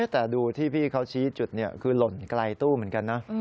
แต่ดูที่พี่เขาชี้จุดคือหล่นไกลตู้เหมือนกันนะ